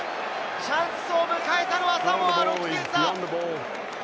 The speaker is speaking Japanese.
チャンスを迎えたのはサモア、６点差。